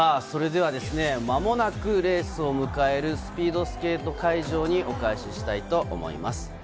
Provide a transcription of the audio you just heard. それでは間もなくレースを迎えるスピードスケート会場にお返しします。